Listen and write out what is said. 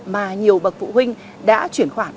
mà nhiều bậc phụ huynh đã chuyển khoản